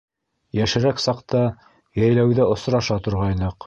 Йәшерәк саҡта йәйләүҙә осраша торғайныҡ.